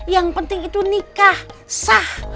yang penting itu nikah sah